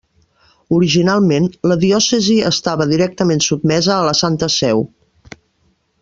Originalment, la diòcesi estava directament sotmesa a la Santa Seu.